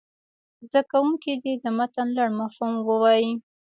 زده کوونکي دې د متن لنډ مفهوم ووایي.